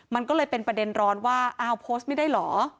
มันก็เลยเป็นประเด็นร้อนว่าอ้าวโพสต์ไม่ได้เหรอ